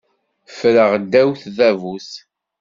Ffreɣ ddaw tdabut.